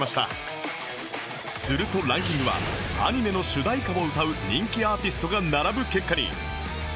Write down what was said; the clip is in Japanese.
するとランキングはアニメの主題歌を歌う人気アーティストが並ぶ結果に